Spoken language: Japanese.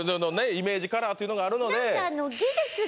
イメージカラーというのがあるのでですね